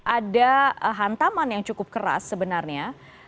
ada hantaman yang cukup keras sebenarnya